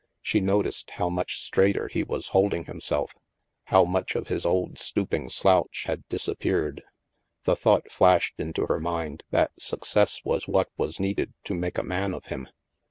She noticed how much straighter he was holding himself, how much of his old stooping slouch had disappeared. The thought flashed into her mind that success was what was needed to make a man of him.